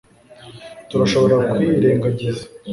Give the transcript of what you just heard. turashobora kwirengagiza